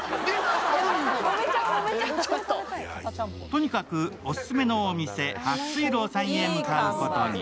とにかくオススメのお店・伯水楼さんへ向かうことに。